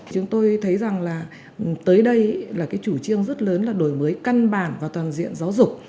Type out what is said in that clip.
chúng tôi thấy rằng là tới đây là cái chủ trương rất lớn là đổi mới căn bản và toàn diện giáo dục